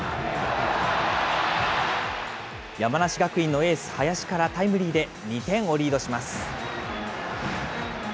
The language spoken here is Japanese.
山梨学院のエース、林からタイムリーで２点をリードします。